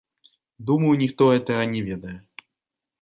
Думаю, ніхто гэтага не ведае.